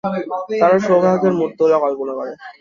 তারা সৌভাগ্যের মূহুর্তগুলো কল্পনা করে?